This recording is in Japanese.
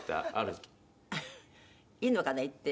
いいのかな言って。